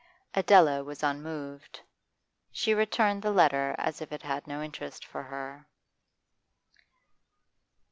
Adela was unmoved; she returned the letter as if it had no interest for her.